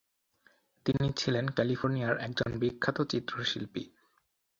তিনি ছিলেন ক্যালিফোর্নিয়ার একজন বিখ্যাত চিত্রশিল্পী।